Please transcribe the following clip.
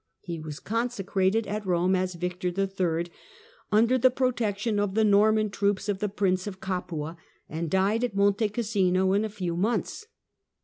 He was consecrated at Kome as Victor III., under the protection of the Norman troops of the prince of Capua, and died at Monte Cassino in a few months.